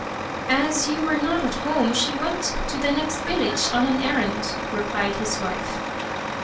" As you were not at home, she went to the next village on an errand," replied his wife.